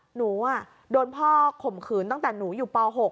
หนูโดนพ่อข่มขืนตั้งแต่หนูอยู่ป๖